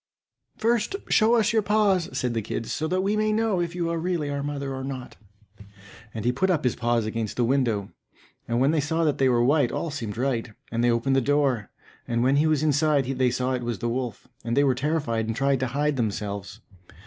"First show us your paws," said the kids, "so that we may know if you are really our mother or not." And he put up his paws against the window, and when they saw that they were white, all seemed right, and they opened the door; and when he was inside they saw it was the wolf, and they were terrified and tried to hide themselves.